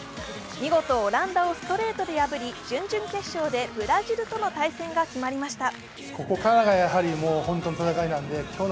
見事オランダをストレートで破り、準々決勝でブラジルとの対戦が決まりました。